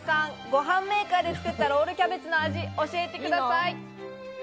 ご飯メーカーで作ったロールキャベツの味、教えてください。